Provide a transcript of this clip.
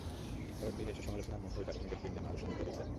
তবে ফিরে এসে সমালোচনার মুখেও জাস্টিন গ্যাটলিন যেন আরও শাণিত হয়েছেন।